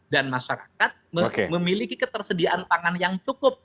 dan masyarakat memiliki ketersediaan pangan yang cukup